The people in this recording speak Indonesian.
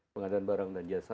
pengadaan barang dan jasa